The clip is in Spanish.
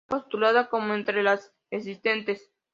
Está postulada como entre las existentes.